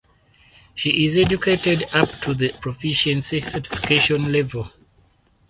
She is educated up to the proficiency certification level.